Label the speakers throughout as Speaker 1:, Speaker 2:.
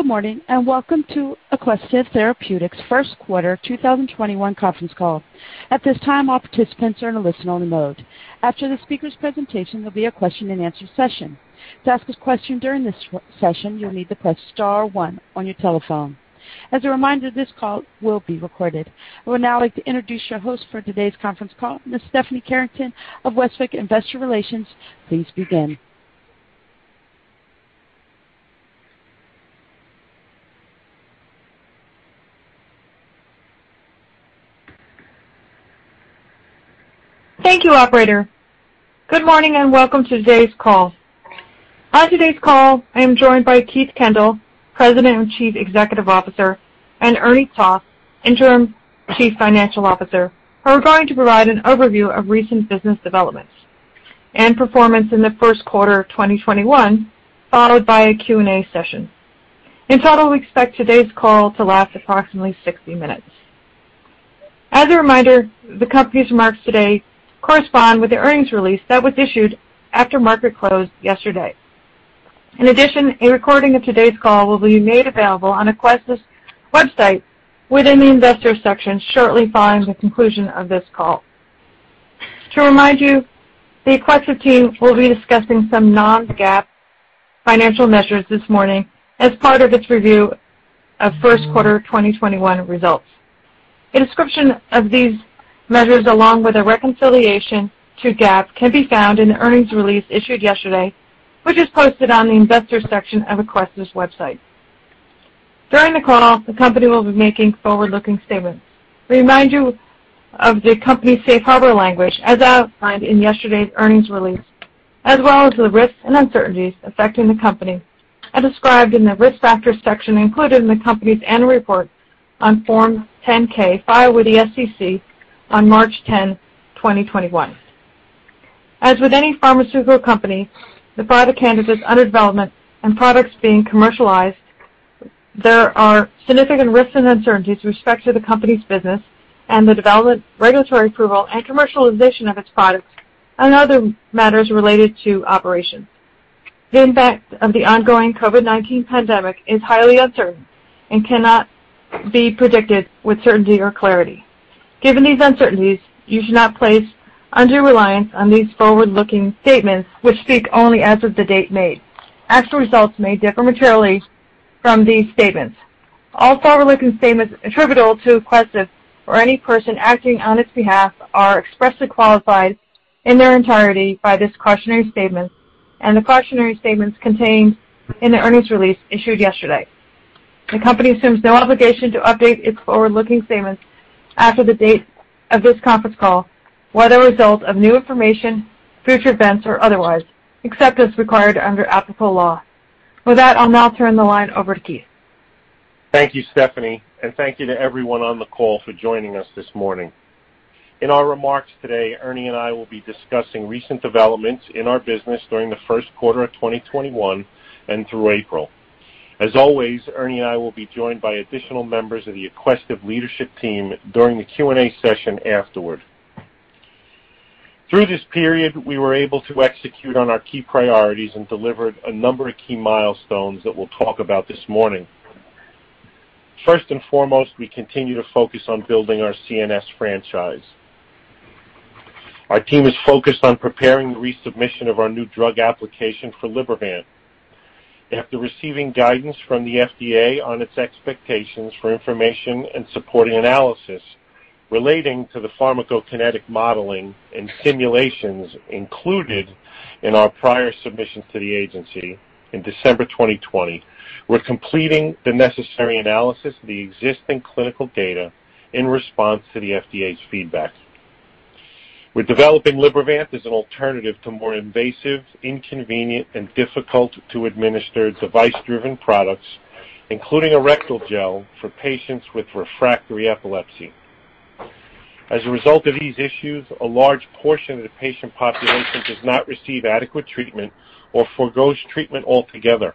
Speaker 1: Good morning, and welcome to Aquestive Therapeutics' First Quarter 2021 Conference Call. At this time, all participants are in a listen-only mode. After the speakers' presentation, there'll be a question and answer session. To ask a question during this session, you'll need to press star one on your telephone. As a reminder, this call will be recorded. I would now like to introduce your host for today's conference call, Ms. Stephanie Carrington of Westwicke Investor Relations. Please begin.
Speaker 2: Thank you, operator. Good morning. Welcome to today's call. On today's call, I am joined by Keith Kendall, President and Chief Executive Officer, and Ernie Toth, Interim Chief Financial Officer. Who are going to provide an overview of recent business developments and performance in the first quarter of 2021, followed by a Q&A session. In total, we expect today's call to last approximately 60 minutes. As a reminder, the company's remarks today correspond with the earnings release that was issued after market close yesterday. A recording of today's call will be made available on Aquestive's website within the Investors section shortly following the conclusion of this call. To remind you, the Aquestive team will be discussing some non-GAAP financial measures this morning as part of its review of first quarter 2021 results. A description of these measures, along with a reconciliation to GAAP, can be found in the earnings release issued yesterday, which is posted on the Investors section of Aquestive's website. During the call, the company will be making forward-looking statements. We remind you of the company's Safe Harbor language, as outlined in yesterday's earnings release, as well as the risks and uncertainties affecting the company are described in the Risk Factors section included in the company's annual report on Form 10-K filed with the SEC on March 10, 2021. As with any pharmaceutical company, the product candidates under development and products being commercialized, there are significant risks and uncertainties with respect to the company's business and the development, regulatory approval, and commercialization of its products and other matters related to operations. The impact of the ongoing COVID-19 pandemic is highly uncertain and cannot be predicted with certainty or clarity. Given these uncertainties, you should not place undue reliance on these forward-looking statements, which speak only as of the date made. Actual results may differ materially from these statements. All forward-looking statements attributable to Aquestive or any person acting on its behalf are expressly qualified in their entirety by this cautionary statement and the cautionary statements contained in the earnings release issued yesterday. The company assumes no obligation to update its forward-looking statements after the date of this conference call, whether as a result of new information, future events, or otherwise, except as required under applicable law. With that, I'll now turn the line over to Keith.
Speaker 3: Thank you, Stephanie, and thank you to everyone on the call for joining us this morning. In our remarks today, Ernie and I will be discussing recent developments in our business during the first quarter of 2021 and through April. As always, Ernie and I will be joined by additional members of the Aquestive leadership team during the Q&A session afterward. Through this period, we were able to execute on our key priorities and delivered a number of key milestones that we'll talk about this morning. First and foremost, we continue to focus on building our CNS franchise. Our team is focused on preparing the resubmission of our new drug application for Libervant. After receiving guidance from the FDA on its expectations for information and supporting analysis relating to the pharmacokinetic modeling and simulations included in our prior submission to the agency in December 2020. We're completing the necessary analysis of the existing clinical data in response to the FDA's feedback. We're developing Libervant as an alternative to more invasive, inconvenient, and difficult-to-administer device-driven products, including a rectal gel for patients with refractory epilepsy. As a result of these issues, a large portion of the patient population does not receive adequate treatment or forgoes treatment altogether.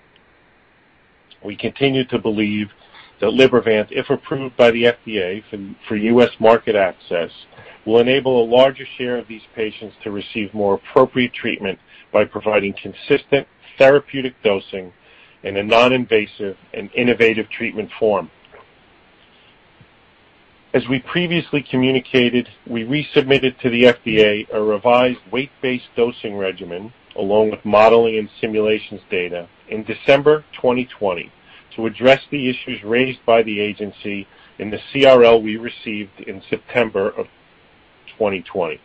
Speaker 3: We continue to believe that Libervant, if approved by the FDA for U.S. market access, will enable a larger share of these patients to receive more appropriate treatment by providing consistent therapeutic dosing in a non-invasive and innovative treatment form. As we previously communicated, we resubmitted to the FDA a revised weight-based dosing regimen, along with modeling and simulations data in December 2020 to address the issues raised by the agency in the CRL we received in September of 2020.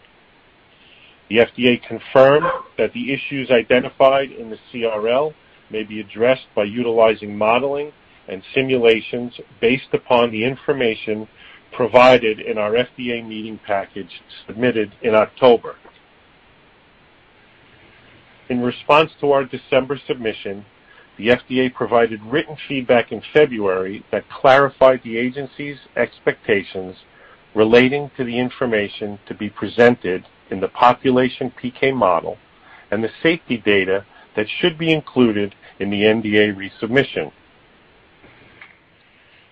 Speaker 3: The FDA confirmed that the issues identified in the CRL may be addressed by utilizing modeling and simulations based upon the information provided in our FDA meeting package submitted in October. In response to our December submission, the FDA provided written feedback in February that clarified the agency's expectations relating to the information to be presented in the population PK model and the safety data that should be included in the NDA resubmission.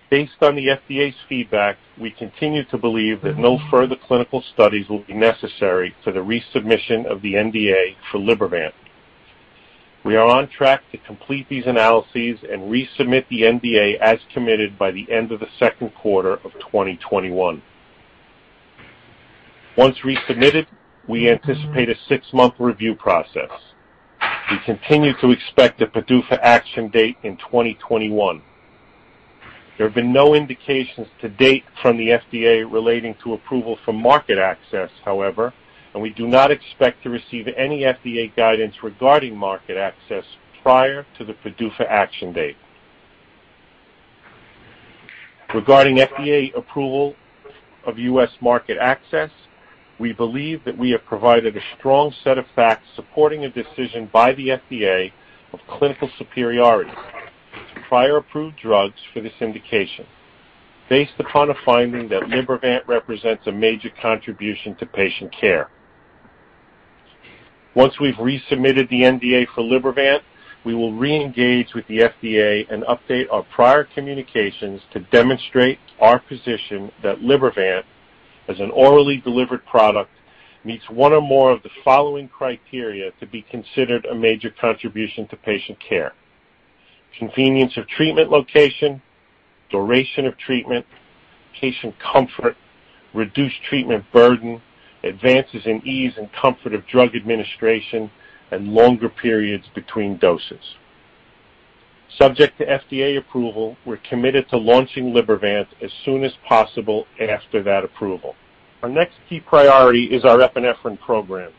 Speaker 3: Based on the FDA's feedback, we continue to believe that no further clinical studies will be necessary for the resubmission of the NDA for Libervant. We are on track to complete these analyses and resubmit the NDA as committed by the end of the second quarter of 2021. Once resubmitted, we anticipate a six-month review process. We continue to expect a PDUFA action date in 2021. There have been no indications to date from the FDA relating to approval for market access, however, we do not expect to receive any FDA guidance regarding market access prior to the PDUFA action date. Regarding FDA approval of U.S. market access, we believe that we have provided a strong set of facts supporting a decision by the FDA of clinical superiority to prior approved drugs for this indication based upon a finding that Libervant represents a major contribution to patient care. Once we've resubmitted the NDA for Libervant, we will re-engage with the FDA and update our prior communications to demonstrate our position that Libervant, as an orally delivered product, meets one or more of the following criteria to be considered a major contribution to patient care: convenience of treatment location, duration of treatment, patient comfort, reduced treatment burden, advances in ease and comfort of drug administration, and longer periods between doses. Subject to FDA approval, we're committed to launching Libervant as soon as possible after that approval. Our next key priority is our epinephrine program.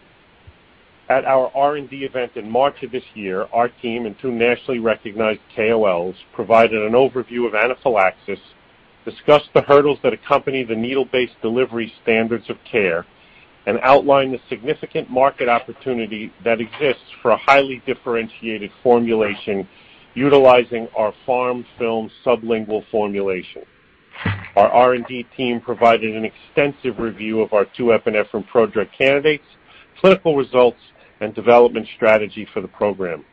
Speaker 3: At our R&D event in March of this year, our team and two nationally recognized KOLs provided an overview of anaphylaxis, discussed the hurdles that accompany the needle-based delivery standards of care, and outlined the significant market opportunity that exists for a highly differentiated formulation utilizing our PharmFilm sublingual formulation. Our R&D team provided an extensive review of our two epinephrine prodrug candidates, clinical results, and development strategy for the program.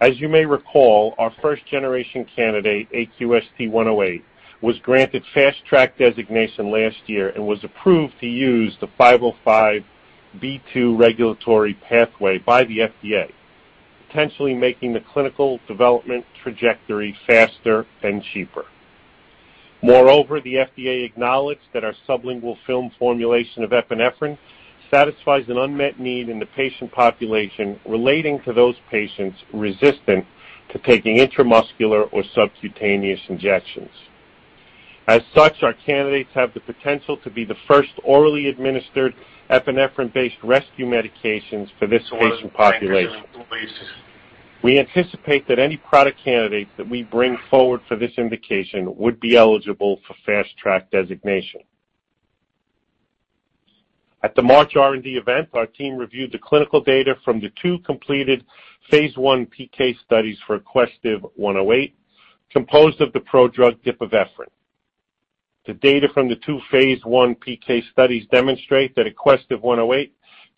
Speaker 3: As you may recall, our first-generation candidate, AQST-108, was granted Fast Track designation last year and was approved to use the 505(b)(2) regulatory pathway by the FDA, potentially making the clinical development trajectory faster and cheaper. Moreover, the FDA acknowledged that our sublingual film formulation of epinephrine satisfies an unmet need in the patient population relating to those patients resistant to taking intramuscular or subcutaneous injections. As such, our candidates have the potential to be the first orally administered epinephrine-based rescue medications for this patient population. We anticipate that any product candidate that we bring forward for this indication would be eligible for Fast Track designation. At the March R&D event, our team reviewed the clinical data from the two completed phase I PK studies for AQST-108, composed of the prodrug dipivefrin. The data from the two phase I PK studies demonstrate that AQST-108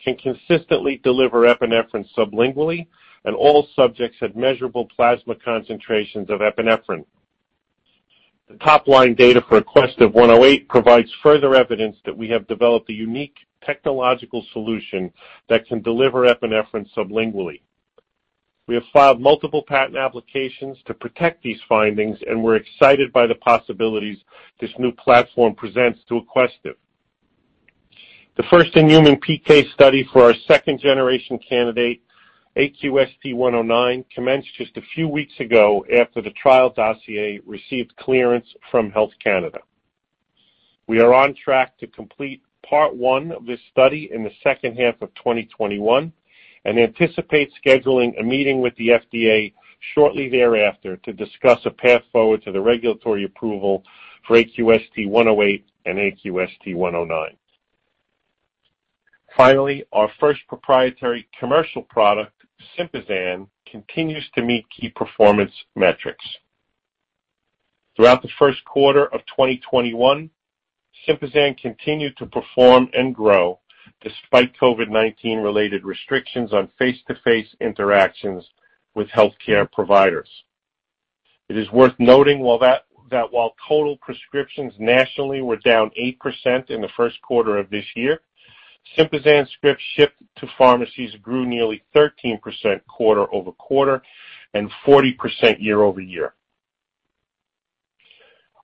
Speaker 3: can consistently deliver epinephrine sublingually, and all subjects had measurable plasma concentrations of epinephrine. The top-line data for AQST-108 provides further evidence that we have developed a unique technological solution that can deliver epinephrine sublingually. We have filed multiple patent applications to protect these findings. We're excited by the possibilities this new platform presents to Aquestive. The first-in-human PK study for our second-generation candidate, AQST-109, commenced just a few weeks ago after the trial dossier received clearance from Health Canada. We are on track to complete part one of this study in the second half of 2021 and anticipate scheduling a meeting with the FDA shortly thereafter to discuss a path forward to the regulatory approval for AQST-108 and AQST-109. Finally, our first proprietary commercial product, SYMPAZAN, continues to meet key performance metrics. Throughout the first quarter of 2021, SYMPAZAN continued to perform and grow despite COVID-19 related restrictions on face-to-face interactions with healthcare providers. It is worth noting that while total prescriptions nationally were down 8% in the first quarter of this year, SYMPAZAN scripts shipped to pharmacies grew nearly 13% quarter-over-quarter and 40% year-over-year.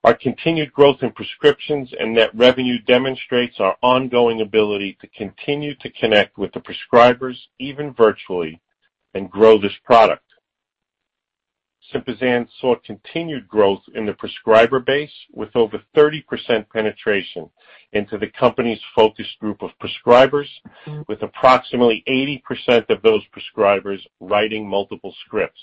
Speaker 3: Our continued growth in prescriptions and net revenue demonstrates our ongoing ability to continue to connect with the prescribers, even virtually, and grow this product. SYMPAZAN saw continued growth in the prescriber base with over 30% penetration into the company's focus group of prescribers, with approximately 80% of those prescribers writing multiple scripts.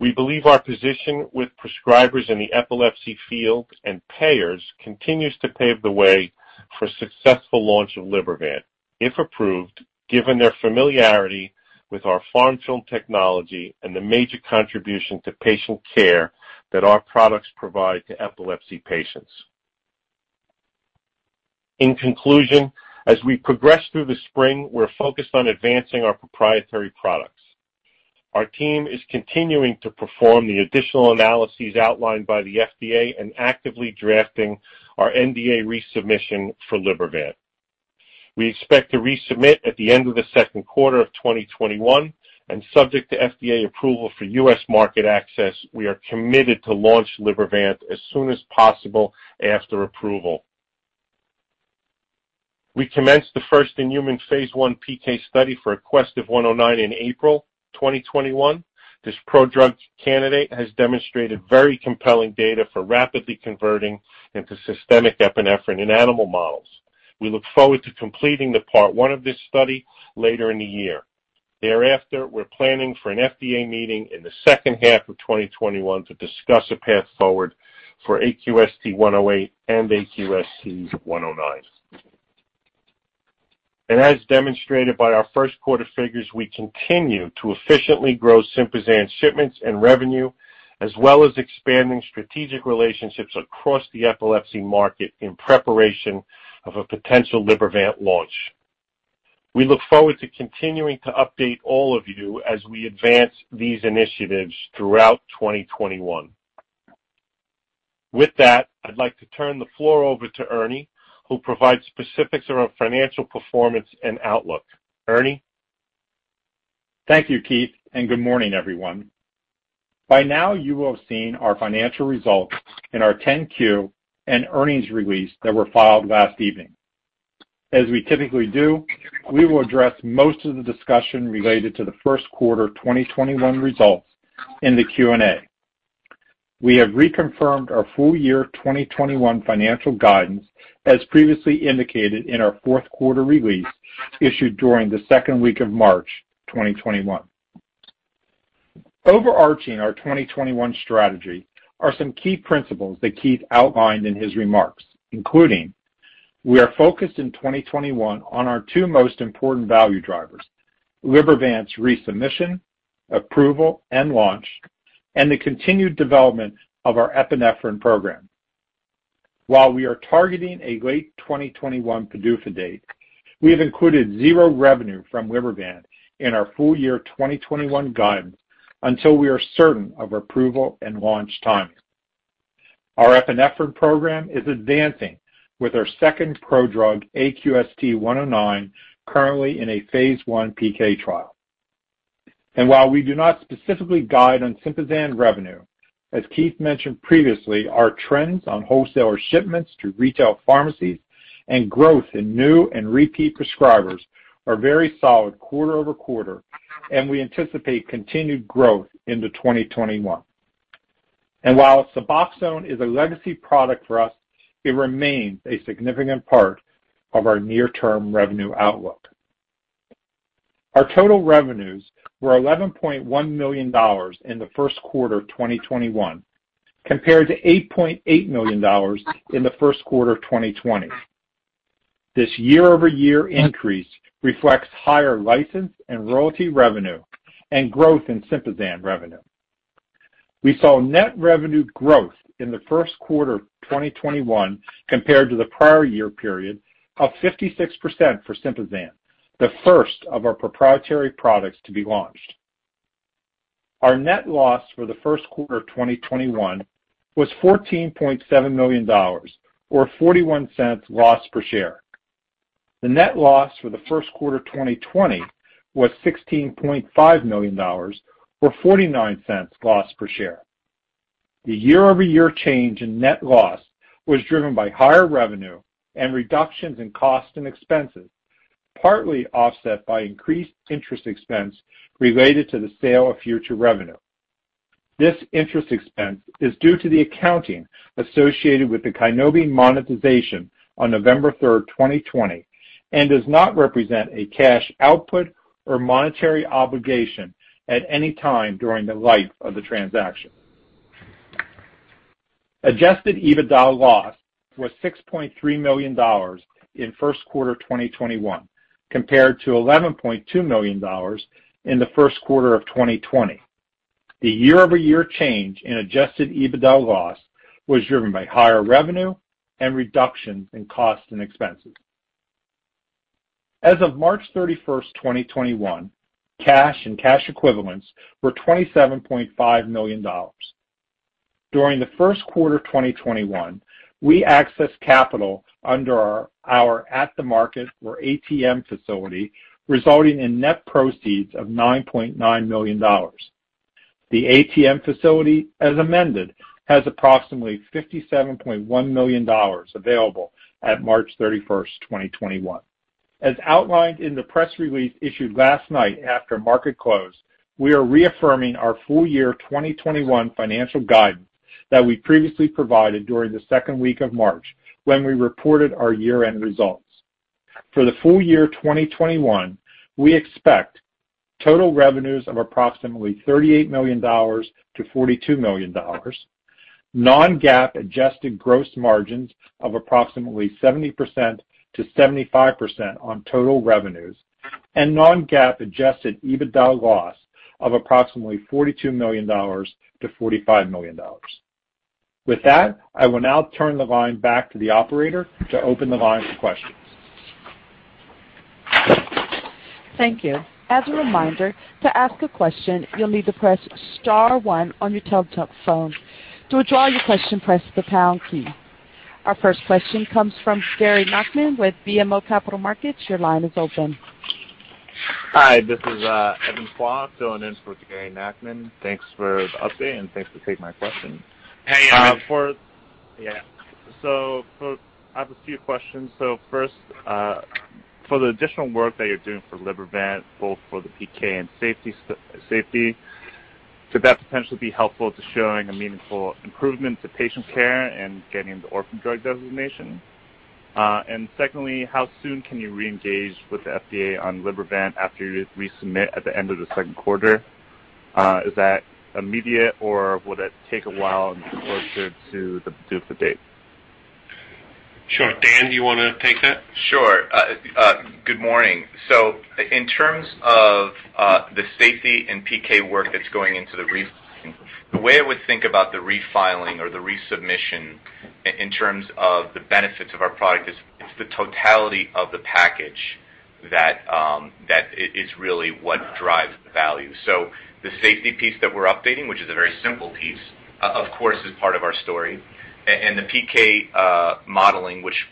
Speaker 3: We believe our position with prescribers in the epilepsy field and payers continues to pave the way for successful launch of Libervant, if approved, given their familiarity with our PharmFilm technology and the major contribution to patient care that our products provide to epilepsy patients. In conclusion, as we progress through the spring, we're focused on advancing our proprietary products. Our team is continuing to perform the additional analyses outlined by the FDA and actively drafting our NDA resubmission for Libervant. We expect to resubmit at the end of the second quarter of 2021, and subject to FDA approval for U.S. market access, we are committed to launch Libervant as soon as possible after approval. We commenced the first-in-human phase I PK study for AQST-109 in April 2021. This prodrug candidate has demonstrated very compelling data for rapidly converting into systemic epinephrine in animal models. We look forward to completing the part one of this study later in the year. Thereafter, we're planning for an FDA meeting in the second half of 2021 to discuss a path forward for AQST-108 and AQST-109. As demonstrated by our first quarter figures, we continue to efficiently grow SYMPAZAN shipments and revenue, as well as expanding strategic relationships across the epilepsy market in preparation of a potential Libervant launch. We look forward to continuing to update all of you as we advance these initiatives throughout 2021. With that, I'd like to turn the floor over to Ernie, who'll provide specifics around financial performance and outlook. Ernie?
Speaker 4: Thank you, Keith. Good morning, everyone. By now you will have seen our financial results in our 10-Q and earnings release that were filed last evening. As we typically do, we will address most of the discussion related to the first quarter 2021 results in the Q&A. We have reconfirmed our full year 2021 financial guidance as previously indicated in our fourth quarter release issued during the second week of March 2021. Overarching our 2021 strategy are some key principles that Keith outlined in his remarks, including we are focused in 2021 on our two most important value drivers, Libervant's resubmission, approval, and launch, and the continued development of our epinephrine program. While we are targeting a late 2021 PDUFA date, we have included zero revenue from Libervant in our full year 2021 guidance until we are certain of approval and launch timing. Our epinephrine program is advancing with our second prodrug, AQST-109, currently in a phase I PK trial. While we do not specifically guide on SYMPAZAN revenue, as Keith mentioned previously, our trends on wholesaler shipments to retail pharmacies and growth in new and repeat prescribers are very solid quarter-over-quarter, and we anticipate continued growth into 2021. While SUBOXONE is a legacy product for us, it remains a significant part of our near-term revenue outlook. Our total revenues were $11.1 million in the first quarter of 2021, compared to $8.8 million in the first quarter of 2020. This year-over-year increase reflects higher license and royalty revenue and growth in SYMPAZAN revenue. We saw net revenue growth in the first quarter of 2021 compared to the prior year period of 56% for SYMPAZAN, the first of our proprietary products to be launched. Our net loss for the first quarter of 2021 was $14.7 million, or $0.41 loss per share. The net loss for the first quarter of 2020 was $16.5 million, or $0.49 loss per share. The year-over-year change in net loss was driven by higher revenue and reductions in costs and expenses, partly offset by increased interest expense related to the sale of future revenue. This interest expense is due to the accounting associated with the KYNMOBI monetization on November 3rd, 2020, and does not represent a cash output or monetary obligation at any time during the life of the transaction. Adjusted EBITDA loss was $6.3 million in first quarter 2021, compared to $11.2 million in the first quarter of 2020. The year-over-year change in Adjusted EBITDA loss was driven by higher revenue and reduction in cost and expenses. As of March 31st, 2021, cash and cash equivalents were $27.5 million. During the first quarter of 2021, we accessed capital under our At the Market, or ATM, facility, resulting in net proceeds of $9.9 million. The ATM facility, as amended, has approximately $57.1 million available at March 31st, 2021. As outlined in the press release issued last night after market close, we are reaffirming our full year 2021 financial guidance that we previously provided during the second week of March, when we reported our year-end results. For the full year 2021, we expect total revenues of approximately $38 million to $42 million, non-GAAP adjusted gross margins of approximately 70%-75% on total revenues. Non-GAAP adjusted EBITDA loss of approximately $42 million-$45 million. With that, I will now turn the line back to the operator to open the line for questions.
Speaker 1: Thank you. As a reminder, to ask a question, you will need to press star one on your telephone. To withdraw your question, press the pound key. Our first question comes from Gary Nachman with BMO Capital Markets. Your line is open.
Speaker 5: Hi, this is Evan Flaus filling in for Gary Nachman. Thanks for the update, and thanks for taking my question.
Speaker 3: Hey, Evan.
Speaker 5: I have a few questions. First, for the additional work that you're doing for Libervant, both for the PK and safety, could that potentially be helpful to showing a meaningful improvement to patient care and getting the orphan drug designation? Secondly, how soon can you reengage with the FDA on Libervant after you resubmit at the end of the second quarter? Is that immediate, or will that take a while in order to do the date?
Speaker 3: Sure. Dan, do you want to take that?
Speaker 6: Sure. Good morning. In terms of the safety and PK work that's going into the refiling, the way I would think about the refiling or the resubmission in terms of the benefits of our product is, it's the totality of the package that is really what drives the value. The safety piece that we're updating, which is a very simple piece, of course, is part of our story. The PK modeling, which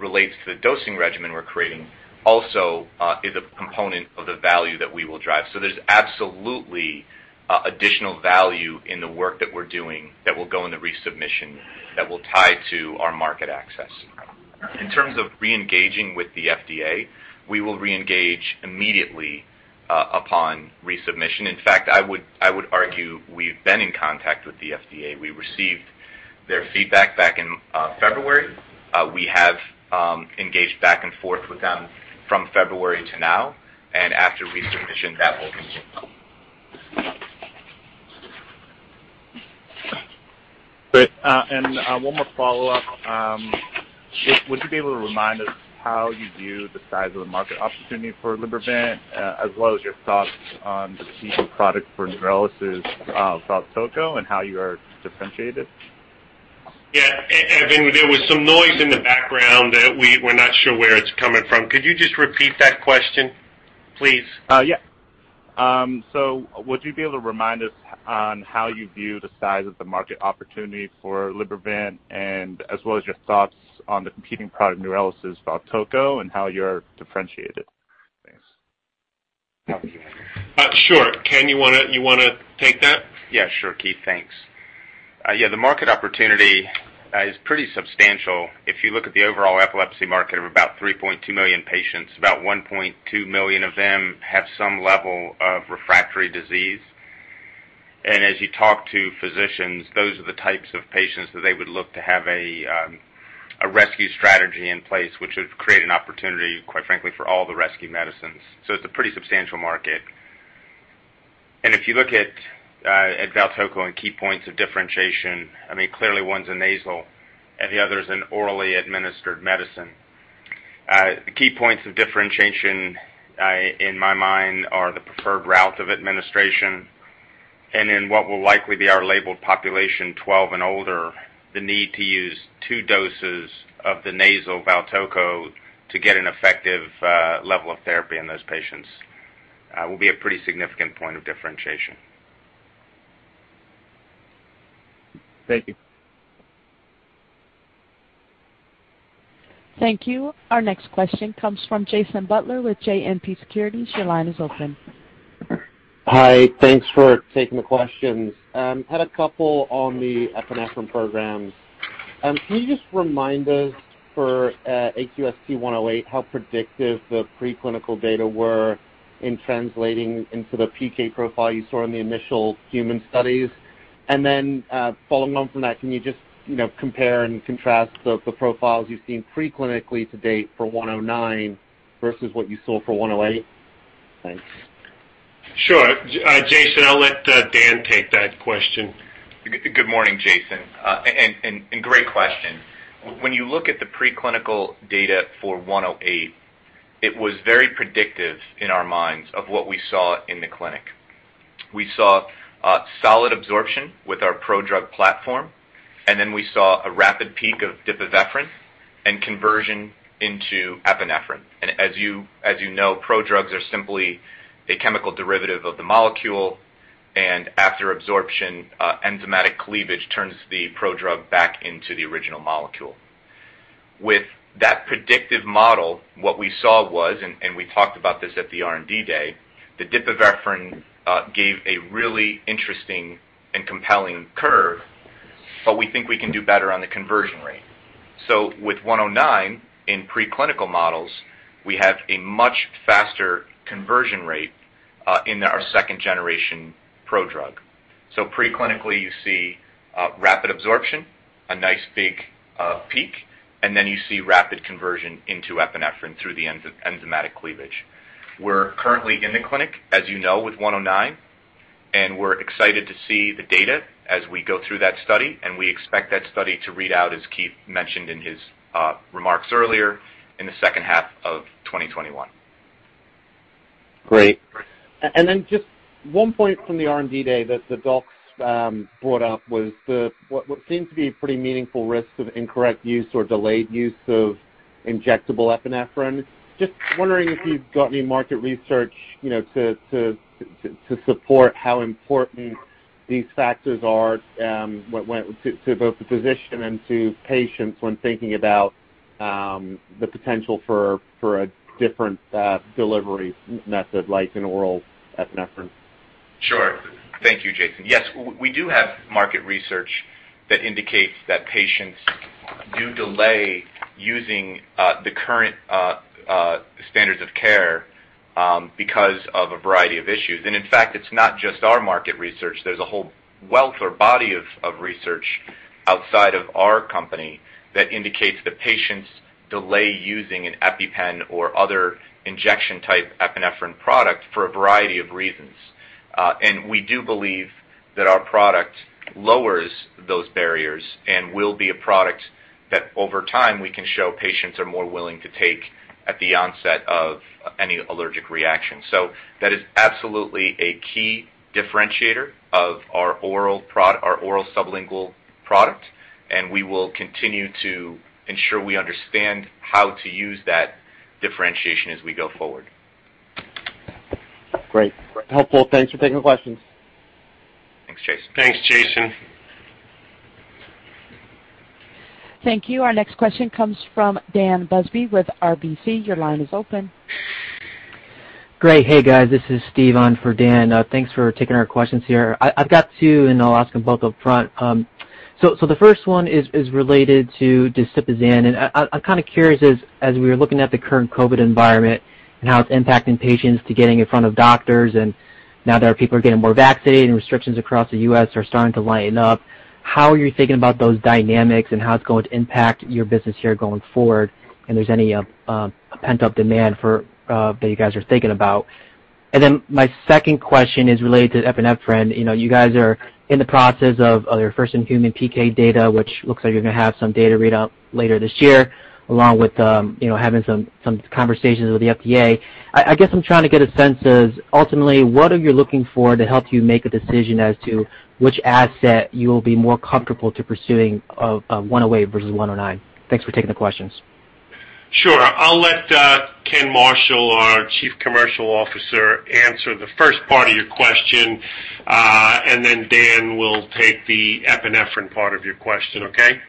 Speaker 6: relates to the dosing regimen we're creating, also is a component of the value that we will drive. There's absolutely additional value in the work that we're doing that will go into resubmission that will tie to our market access. In terms of reengaging with the FDA, we will reengage immediately upon resubmission. In fact, I would argue we've been in contact with the FDA. We received their feedback back in February. We have engaged back and forth with them from February to now, and after resubmission, that will continue.
Speaker 5: Great. One more follow-up. Would you be able to remind us how you view the size of the market opportunity for Libervant as well as your thoughts on the competing product for Neurelis' VALTOCO and how you are differentiated?
Speaker 3: Yeah. Evan, there was some noise in the background that we're not sure where it's coming from. Could you just repeat that question, please?
Speaker 5: Yeah. Would you be able to remind us on how you view the size of the market opportunity for Libervant and as well as your thoughts on the competing product, Neurelis' VALTOCO, and how you're differentiated? Thanks.
Speaker 3: Sure. Ken, you want to take that?
Speaker 7: Sure. Keith, thanks. The market opportunity is pretty substantial. If you look at the overall epilepsy market of about 3.2 million patients, about 1.2 million of them have some level of refractory disease. As you talk to physicians, those are the types of patients that they would look to have a rescue strategy in place, which would create an opportunity, quite frankly, for all the rescue medicines. It's a pretty substantial market. If you look at VALTOCO and key points of differentiation, clearly one's a nasal and the other is an orally administered medicine. The key points of differentiation in my mind are the preferred route of administration and in what will likely be our labeled population, 12 and older, the need to use two doses of the nasal VALTOCO to get an effective level of therapy in those patients will be a pretty significant point of differentiation.
Speaker 5: Thank you.
Speaker 1: Thank you. Our next question comes from Jason Butler with JMP Securities. Your line is open.
Speaker 8: Hi. Thanks for taking the questions. Had a couple on the epinephrine programs. Can you just remind us for AQST-108 how predictive the preclinical data were in translating into the PK profile you saw in the initial human studies? Then following on from that, can you just compare and contrast the profiles you've seen preclinically to date for AQST-109 versus what you saw for AQST-108? Thanks.
Speaker 3: Sure. Jason, I'll let Dan take that question.
Speaker 6: Good morning, Jason. Great question. When you look at the preclinical data for AQST-108, it was very predictive in our minds of what we saw in the clinic. We saw solid absorption with our prodrug platform, and then we saw a rapid peak of dipivefrin and conversion into epinephrine. As you know, prodrugs are simply a chemical derivative of the molecule, and after absorption, enzymatic cleavage turns the prodrug back into the original molecule. With that predictive model, what we saw was, and we talked about this at the R&D day, the dipivefrin gave a really interesting and compelling curve, but we think we can do better on the conversion rate. With AQST-109, in preclinical models, we have a much faster conversion rate in our second-generation prodrug. Preclinically, you see rapid absorption, a nice big peak, and then you see rapid conversion into epinephrine through the enzymatic cleavage. We're currently in the clinic, as you know, with AQST-109. We're excited to see the data as we go through that study. We expect that study to read out, as Keith mentioned in his remarks earlier, in the second half of 2021.
Speaker 8: Great. Just one point from the R&D day that the docs brought up was what seemed to be pretty meaningful risks of incorrect use or delayed use of injectable epinephrine. Just wondering if you've got any market research to support how important these factors are to both the physician and to patients when thinking about the potential for a different delivery method, like an oral epinephrine.
Speaker 6: Sure. Thank you, Jason. Yes, we do have market research that indicates that patients do delay using the current standards of care because of a variety of issues. In fact, it's not just our market research. There's a whole wealth or body of research outside of our company that indicates that patients delay using an EpiPen or other injection type epinephrine product for a variety of reasons. We do believe that our product lowers those barriers and will be a product that over time we can show patients are more willing to take at the onset of any allergic reaction. That is absolutely a key differentiator of our oral sublingual product, and we will continue to ensure we understand how to use that differentiation as we go forward.
Speaker 8: Great. Helpful. Thanks for taking the questions.
Speaker 6: Thanks, Jason.
Speaker 3: Thanks, Jason.
Speaker 1: Thank you. Our next question comes from Dan Busby with RBC. Your line is open.
Speaker 9: Great. Hey, guys, this is Steve on for Dan. Thanks for taking our questions here. I've got two. I'll ask them both upfront. The first one is related to diazepam, and I'm kind of curious, as we are looking at the current COVID-19 environment and how it's impacting patients to getting in front of doctors, and now that our people are getting more vaccinated and restrictions across the U.S. are starting to lighten up, how are you thinking about those dynamics and how it's going to impact your business here going forward? If there's any pent-up demand that you guys are thinking about. My second question is related to epinephrine. You guys are in the process of your first-in-human PK data, which looks like you're going to have some data readout later this year, along with having some conversations with the FDA. I guess I'm trying to get a sense of, ultimately, what are you looking for to help you make a decision as to which asset you'll be more comfortable to pursuing of AQST-108 versus AQST-109? Thanks for taking the questions.
Speaker 3: Sure. I'll let Ken Marshall, our Chief Commercial Officer, answer the first part of your question. Then Dan will take the epinephrine part of your question, okay?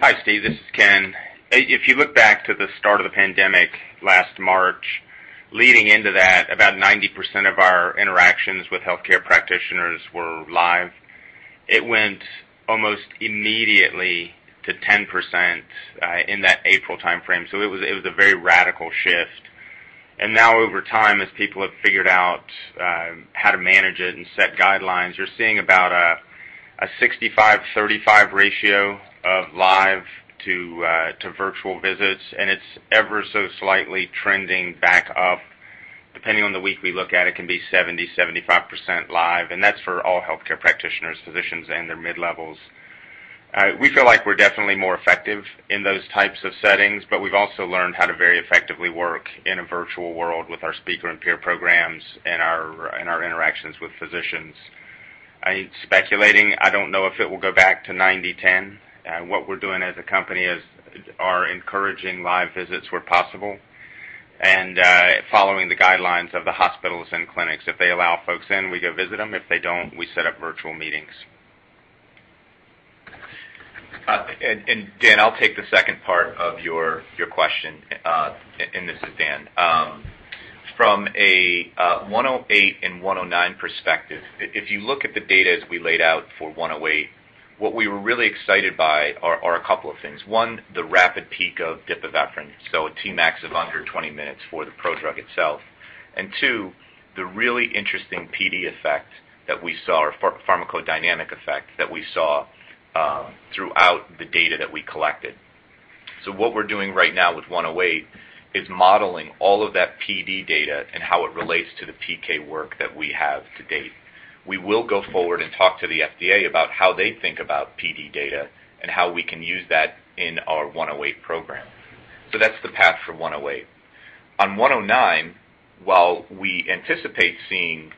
Speaker 7: Hi, Steve. This is Ken. If you look back to the start of the pandemic last March, leading into that, about 90% of our interactions with healthcare practitioners were live. It went almost immediately to 10% in that April timeframe. It was a very radical shift. Now, over time, as people have figured out how to manage it and set guidelines, you're seeing about a 65/35 ratio of live to virtual visits. It's ever so slightly trending back up. Depending on the week we look at, it can be 70%, 75% live, and that's for all healthcare practitioners, physicians, and their mid-levels. We feel like we're definitely more effective in those types of settings, but we've also learned how to very effectively work in a virtual world with our speaker and peer programs and our interactions with physicians. Speculating, I don't know if it will go back to 90/10. What we're doing as a company is encouraging live visits where possible and following the guidelines of the hospitals and clinics. If they allow folks in, we go visit them. If they don't, we set up virtual meetings.
Speaker 6: Dan, I'll take the second part of your question. This is Dan. From a AQST-108 and AQST-109 perspective, if you look at the data as we laid out for AQST-108, what we were really excited by are a couple of things. One, the rapid peak of dipivefrin, so a Tmax of under 20 minutes for the prodrug itself. Two, the really interesting PD effect that we saw, or pharmacodynamic effect that we saw throughout the data that we collected. What we're doing right now with AQST-108 is modeling all of that PD data and how it relates to the PK work that we have to date. We will go forward and talk to the FDA about how they think about PD data and how we can use that in our AQST-108 program. That's the path for 108. On AQST-109, while we anticipate seeing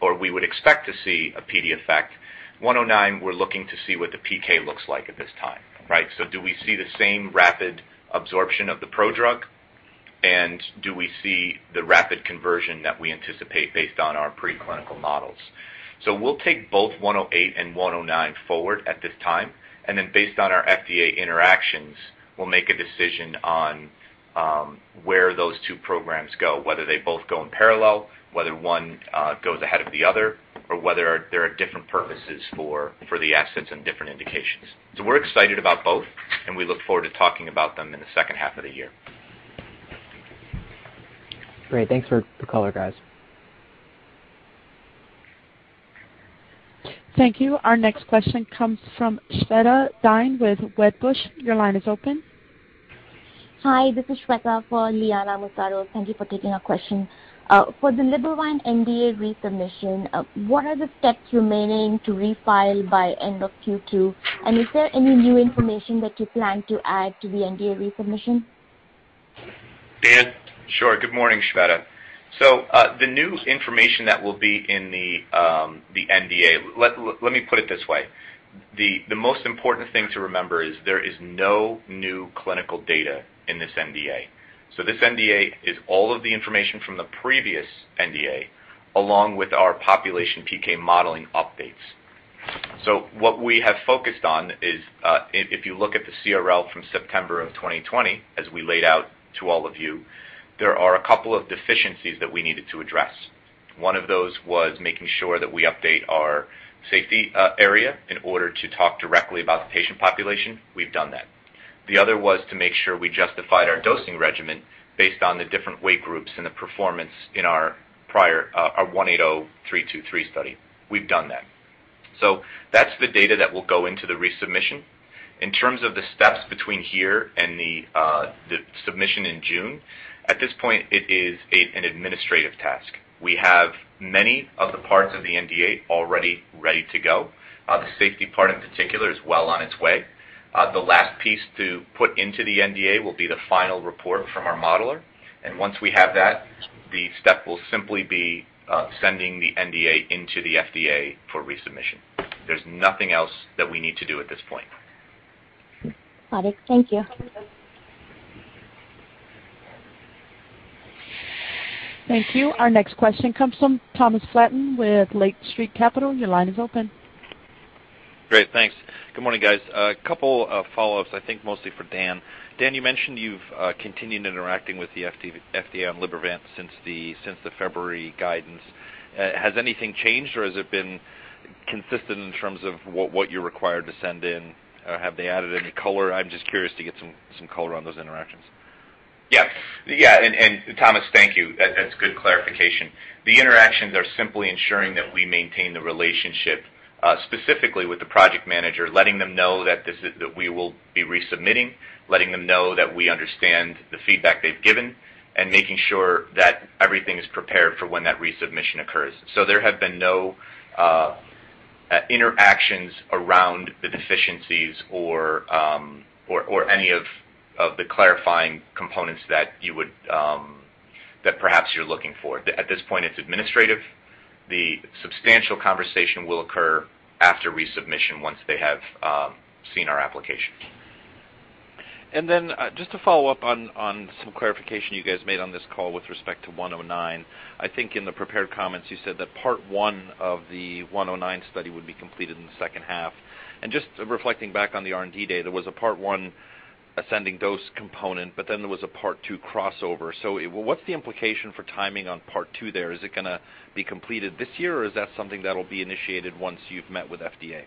Speaker 6: or we would expect to see a PD effect, AQST-109, we're looking to see what the PK looks like at this time. Right? Do we see the same rapid absorption of the prodrug, and do we see the rapid conversion that we anticipate based on our pre-clinical models? We'll take both AQST-108 and AQST-109 forward at this time, and based on our FDA interactions, we'll make a decision on where those two programs go, whether they both go in parallel, whether one goes ahead of the other, or whether there are different purposes for the assets and different indications. We're excited about both, and we look forward to talking about them in the second half of the year.
Speaker 9: Great. Thanks for the color, guys.
Speaker 1: Thank you. Our next question comes from Shveta Dighe with Wedbush.
Speaker 10: Hi. This is Shveta for Liana Molinaro. Thank you for taking our question. For the Libervant NDA resubmission, what are the steps remaining to refile by end of Q2? Is there any new information that you plan to add to the NDA resubmission?
Speaker 3: Dan?
Speaker 6: Sure. Good morning, Shveta. The new information that will be in the NDA. Let me put it this way. The most important thing to remember is there is no new clinical data in this NDA. This NDA is all of the information from the previous NDA, along with our population PK modeling updates. What we have focused on is, if you look at the CRL from September of 2020, as we laid out to all of you, there are a couple of deficiencies that we needed to address. One of those was making sure that we update our safety area in order to talk directly about the patient population. We've done that. The other was to make sure we justified our dosing regimen based on the different weight groups and the performance in our prior 180323 study. We've done that. That's the data that will go into the resubmission. In terms of the steps between here and the submission in June, at this point, it is an administrative task. We have many of the parts of the NDA already ready to go. The safety part in particular is well on its way. The last piece to put into the NDA will be the final report from our modeler, and once we have that, the step will simply be sending the NDA into the FDA for resubmission. There's nothing else that we need to do at this point.
Speaker 10: Got it. Thank you.
Speaker 1: Thank you. Our next question comes from Thomas Flaten with Lake Street Capital. Your line is open.
Speaker 11: Great. Thanks. Good morning, guys. A couple of follow-ups, I think mostly for Dan. Dan, you mentioned you've continued interacting with the FDA on Libervant since the February guidance. Has anything changed or has it been consistent in terms of what you're required to send in? Have they added any color? I'm just curious to get some color on those interactions.
Speaker 6: Yeah. Thomas, thank you. That's good clarification. The interactions are simply ensuring that we maintain the relationship, specifically with the project manager, letting them know that we will be resubmitting, letting them know that we understand the feedback they've given, and making sure that everything is prepared for when that resubmission occurs. There have been no interactions around the deficiencies or any of the clarifying components that perhaps you're looking for. At this point, it's administrative. The substantial conversation will occur after resubmission once they have seen our application.
Speaker 11: Just to follow up on some clarification you guys made on this call with respect to AQST-109. I think in the prepared comments you said that part one of the AQST-109 study would be completed in the second half. Just reflecting back on the R&D data, was a part two crossover. What's the implication for timing on part two there? Is it going to be completed this year, or is that something that'll be initiated once you've met with FDA?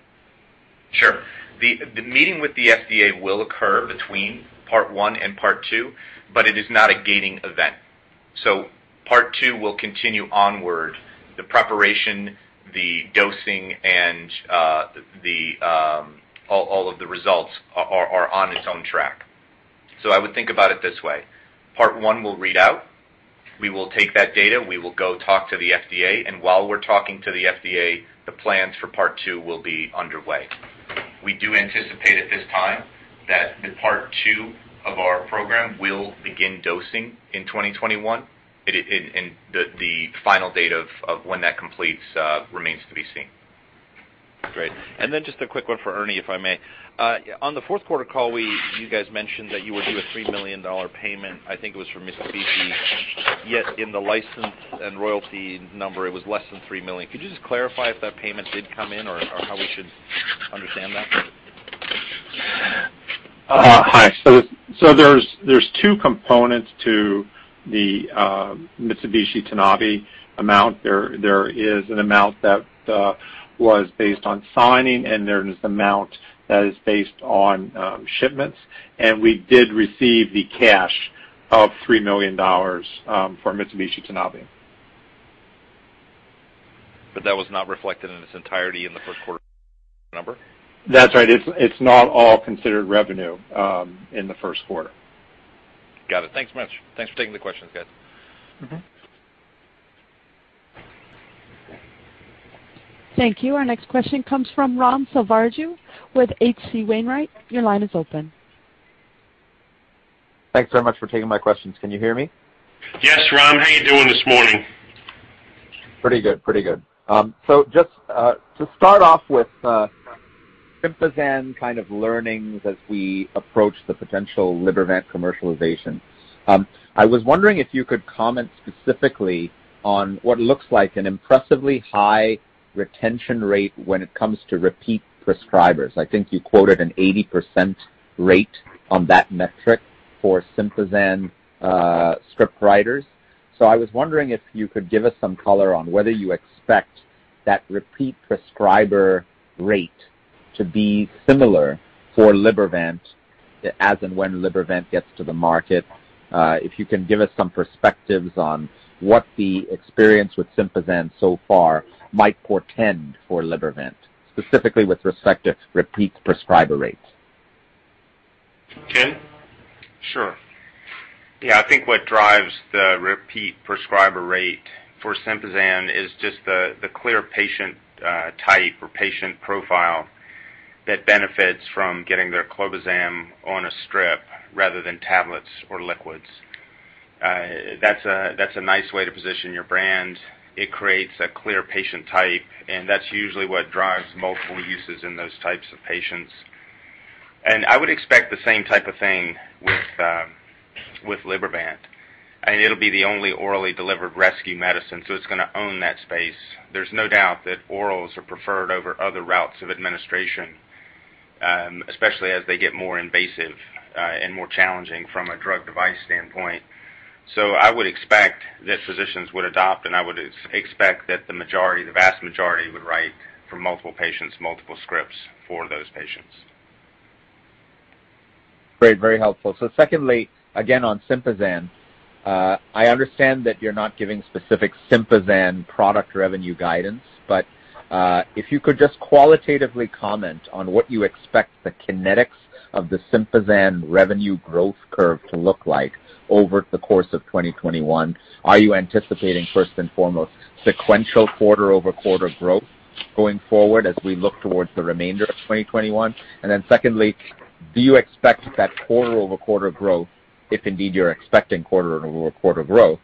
Speaker 6: Sure. The meeting with the FDA will occur between part one and part two. It is not a gating event. Part two will continue onward. The preparation, the dosing, and all of the results are on its own track. I would think about it this way. Part one will read out. We will take that data, we will go talk to the FDA, and while we're talking to the FDA, the plans for part two will be underway. We do anticipate at this time that the part two of our program will begin dosing in 2021, and the final date of when that completes remains to be seen.
Speaker 11: Great. Just a quick one for Ernie, if I may. On the fourth quarter call, you guys mentioned that you would do a $3 million payment, I think it was for Mitsubishi. In the license and royalty number, it was less than $3 million. Could you just clarify if that payment did come in or how we should understand that?
Speaker 4: Hi. There's two components to the Mitsubishi Tanabe amount. There is an amount that was based on signing, and there is amount that is based on shipments. We did receive the cash of $3 million for Mitsubishi Tanabe.
Speaker 11: That was not reflected in its entirety in the first quarter number?
Speaker 4: That's right. It's not all considered revenue in the first quarter.
Speaker 11: Got it. Thanks much. Thanks for taking the questions, guys.
Speaker 1: Thank you. Our next question comes from Raghuram Selvaraju with H.C. Wainwright. Your line is open.
Speaker 12: Thanks very much for taking my questions. Can you hear me?
Speaker 3: Yes, Ram. How are you doing this morning?
Speaker 12: Pretty good. Just to start off with SYMPAZAN kind of learnings as we approach the potential Libervant commercialization. I was wondering if you could comment specifically on what looks like an impressively high retention rate when it comes to repeat prescribers. I think you quoted an 80% rate on that metric for SYMPAZAN script writers. I was wondering if you could give us some color on whether you expect that repeat prescriber rate to be similar for Libervant as and when Libervant gets to the market. If you can give us some perspectives on what the experience with SYMPAZAN so far might portend for Libervant, specifically with respect to repeat prescriber rates.
Speaker 3: Ken?
Speaker 7: Sure. Yeah, I think what drives the repeat prescriber rate for SYMPAZAN is just the clear patient type or patient profile that benefits from getting their clobazam on a strip rather than tablets or liquids. That's a nice way to position your brand. It creates a clear patient type, and that's usually what drives multiple uses in those types of patients. I would expect the same type of thing with Libervant. It'll be the only orally delivered rescue medicine, so it's going to own that space. There's no doubt that orals are preferred over other routes of administration, especially as they get more invasive and more challenging from a drug device standpoint. I would expect that physicians would adopt, and I would expect that the vast majority would write for multiple patients, multiple scripts for those patients.
Speaker 12: Great. Very helpful. Secondly, again, on SYMPAZAN. I understand that you're not giving specific SYMPAZAN product revenue guidance, but if you could just qualitatively comment on what you expect the kinetics of the SYMPAZAN revenue growth curve to look like over the course of 2021. Are you anticipating, first and foremost, sequential quarter-over-quarter growth going forward as we look towards the remainder of 2021? Secondly, do you expect that quarter-over-quarter growth, if indeed you're expecting quarter-over-quarter growth,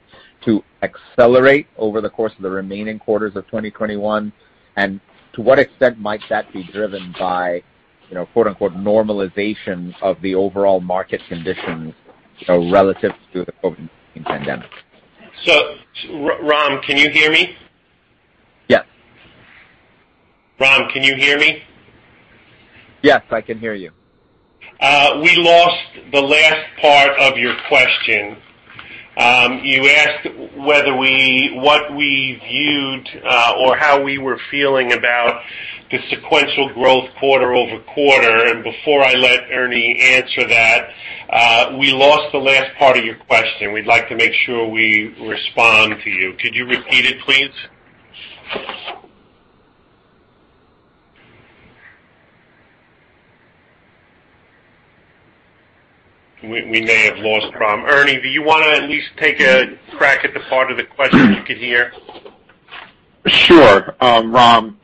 Speaker 12: to accelerate over the course of the remaining quarters of 2021? To what extent might that be driven by "normalization" of the overall market conditions relative to the COVID-19 pandemic?
Speaker 3: Ram, can you hear me?
Speaker 12: Yes.
Speaker 3: Ram, can you hear me?
Speaker 12: Yes, I can hear you.
Speaker 3: We lost the last part of your question. You asked what we viewed or how we were feeling about the sequential growth quarter-over-quarter. Before I let Ernie answer that, we lost the last part of your question. We'd like to make sure we respond to you. Could you repeat it, please? We may have lost Ram. Ernie, do you want to at least take a crack at the part of the question you can hear?
Speaker 4: Sure. Ram,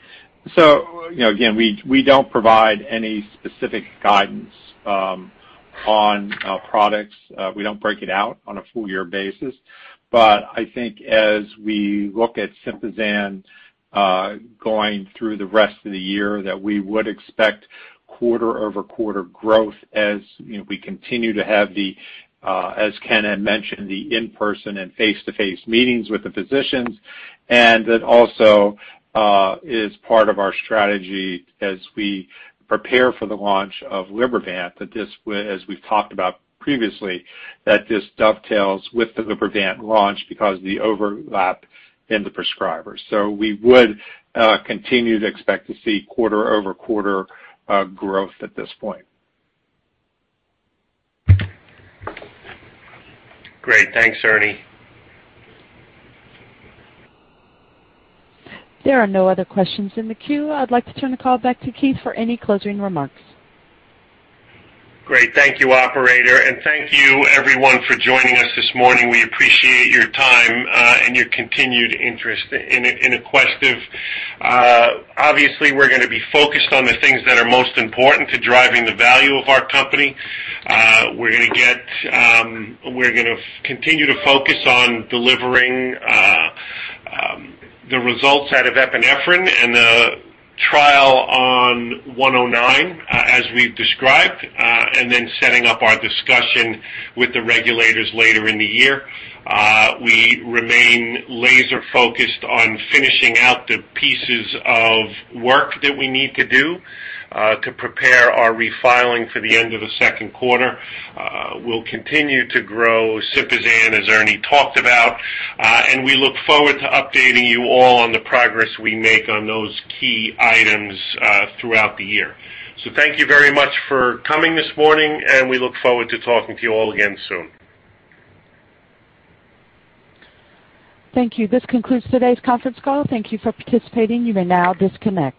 Speaker 4: again, we don't provide any specific guidance on products. We don't break it out on a full year basis. I think as we look at SYMPAZAN going through the rest of the year, that we would expect quarter-over-quarter growth as we continue to have the, as Ken had mentioned, the in-person and face-to-face meetings with the physicians, and that also is part of our strategy as we prepare for the launch of Libervant. This, as we've talked about previously, this dovetails with the Libervant launch because of the overlap in the prescribers. We would continue to expect to see quarter-over-quarter growth at this point.
Speaker 3: Great. Thanks, Ernie.
Speaker 1: There are no other questions in the queue. I'd like to turn the call back to Keith for any closing remarks.
Speaker 3: Great. Thank you, operator. Thank you everyone for joining us this morning. We appreciate your time and your continued interest in Aquestive. Obviously, we're going to be focused on the things that are most important to driving the value of our company. We're going to continue to focus on delivering the results out of epinephrine and the trial on AQST-109 as we've described, and then setting up our discussion with the regulators later in the year. We remain laser focused on finishing out the pieces of work that we need to do to prepare our refiling for the end of the second quarter. We'll continue to grow SYMPAZAN, as Ernie talked about. We look forward to updating you all on the progress we make on those key items throughout the year. Thank you very much for coming this morning, and we look forward to talking to you all again soon.
Speaker 1: Thank you. This concludes today's conference call. Thank you for participating. You may now disconnect.